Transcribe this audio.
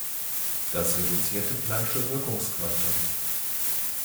Das reduzierte plancksche Wirkungsquantum.